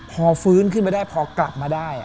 พอฟื้นขึ้นมาได้พอกลับมาได้